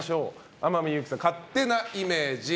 天海祐希さんの勝手なイメージ。